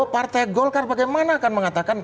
partai golkar bagaimana akan mengatakan